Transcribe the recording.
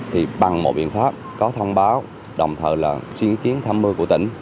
thì bằng một biện pháp có thông báo đồng thời là xuyên kiến tham mưu của tỉnh